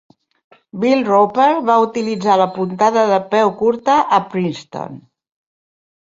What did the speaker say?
Bill Roper va utilitzar la puntada de peu curta a Princeton.